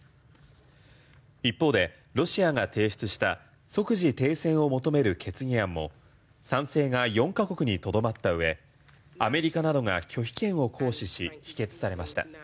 一方でロシアが提出した即時停戦を求める決議案も賛成が４か国にとどまったうえアメリカなどが拒否権を行使し否決されました。